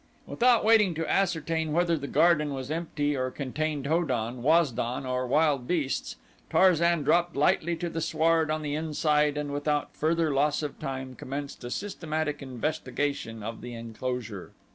Without waiting to ascertain whether the garden was empty or contained Ho don, Waz don, or wild beasts, Tarzan dropped lightly to the sward on the inside and without further loss of time commenced a systematic investigation of the enclosure.